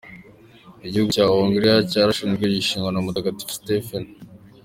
Igihugu cya Hongriya cyarashinzwe, gishingwa na Mutagatifu Stephen.